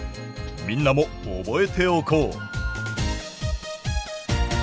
みんなも覚えておこう。